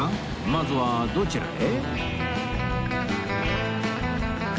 まずはどちらへ？